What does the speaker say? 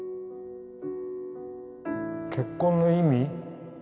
結婚の意味？